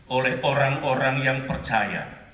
oleh orang orang yang percaya